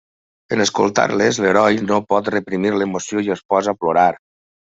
En escoltar-les, l'heroi no pot reprimir l'emoció i es posa a plorar.